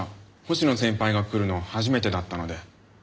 星野先輩が来るの初めてだったので。